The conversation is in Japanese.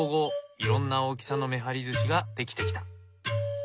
いろんな大きさのめはりずしが出来てきた。